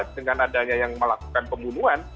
dengan adanya yang melakukan pembunuhan